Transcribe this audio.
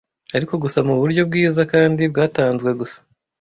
ariko gusa muburyo bwiza kandi bwatanzwe gusa